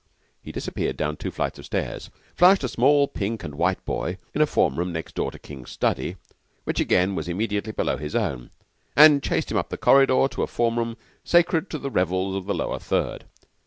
He disappeared down two flights of stairs, flushed a small pink and white boy in a form room next door to King's study, which, again, was immediately below his own, and chased him up the corridor into a form room sacred to the revels of the Lower Third.